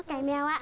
thật quá lạnh quá